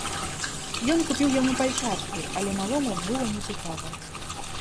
Ён купіў яму пальчаткі, але малому была не цікава.